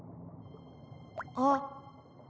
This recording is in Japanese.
あっ。